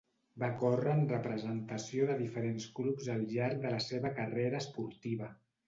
Va córrer en representació de diferents clubs al llarg de la seva carrera esportiva.